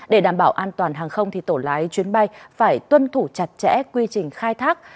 để đảm bảo an toàn hàng không tổ lái chuyến bay phải tuân thủ chặt chẽ quy trình khai thác